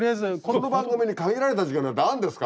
この番組に限られた時間なんてあるんですか？